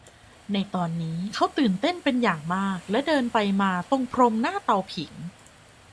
ในตอนนี้เขาตื่นเต้นเป็นอย่างมาก และเดินไปมาตรงพรมหน้าเตาผิง